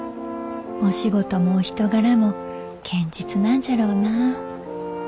お仕事もお人柄も堅実なんじゃろうなあ。